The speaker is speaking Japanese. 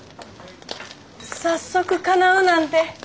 早速かなうなんて！